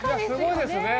すごいですね